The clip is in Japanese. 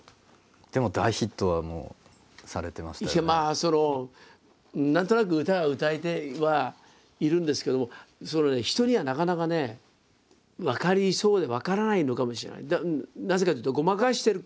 その何となく歌は歌えてはいるんですけども人にはなかなかね分かりそうで分からないのかもしれない。